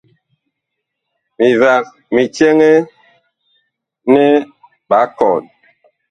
Mivag mi cɛŋɛ nɛ ɓaa koman.